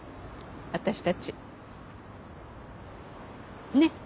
私たちねっ？